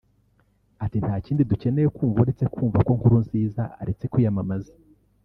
ati"Nta kindi dukeneye kumva uretse kumva ko [Nkurunziza] aretse kwiyamamaza